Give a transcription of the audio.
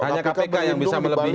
hanya kpk yang bisa melebihi itu ya